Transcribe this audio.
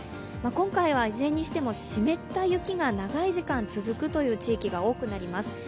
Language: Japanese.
今回はいずれにしても湿った雪が長い時間続く地域が多くなります。